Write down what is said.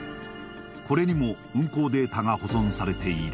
これにも運航データが保存されている